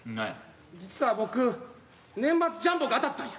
実は僕年末ジャンボが当たったんや。